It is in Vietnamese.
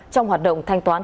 trong hoạt động thanh toán